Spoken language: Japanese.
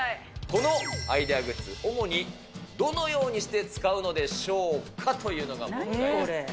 このアイデアグッズ、主にどのようにして使うのでしょうかというのが問題です。